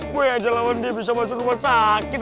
gue yang aja lawan dia bisa masuk rumah sakit